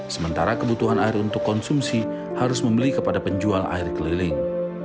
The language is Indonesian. sementara kebutuhan air untuk konsumsi harus membeli kepada penjual air keliling